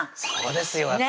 そうですよ